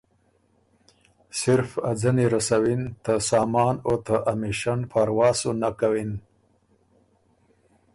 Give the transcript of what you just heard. صرف ا ځنی رسَوِن ته سامان او ته امیشن پاروا سُو نک کوِن۔